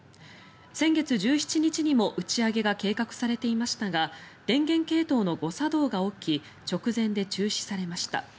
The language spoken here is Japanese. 先月１７日にも打ち上げが計画されていましたが電源系統の誤作動が起き直前で中止されました。